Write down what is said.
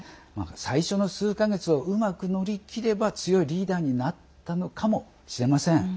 最初の数か月をうまく乗り切れば強いリーダーになったのかもしれません。